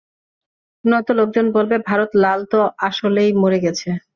নয়তো লোকজন বলবে, ভারত লাল তো আসলেই মরে গেছে।